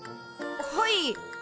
はい。